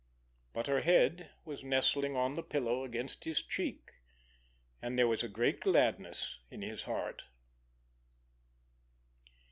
But her head was nestling on the pillow against his cheek, and there was a great gladness in his heart.